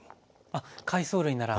あっ海藻類なら。